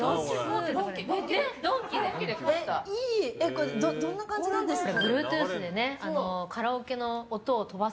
これどんな感じなんですか？